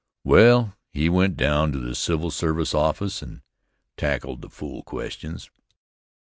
Well, he went down to the civil service office and tackled the fool questions.